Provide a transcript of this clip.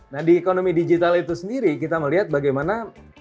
nah di ekonomi digital itu sendiri kita melihat bagaimana